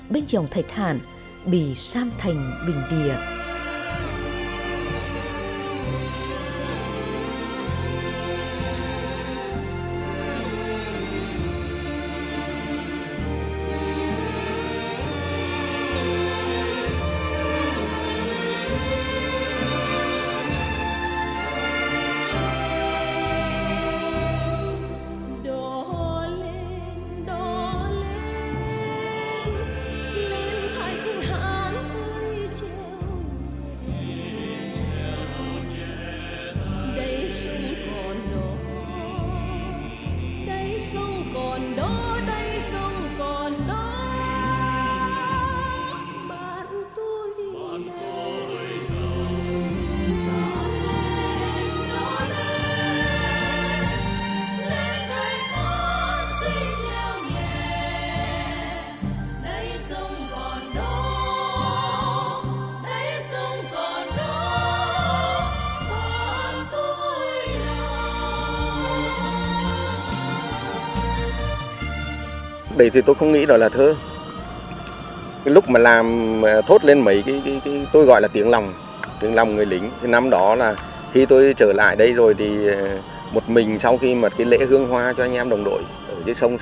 bên trong thạch hạn bị san thành bình địa